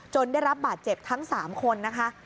ได้รับบาดเจ็บทั้ง๓คนนะคะ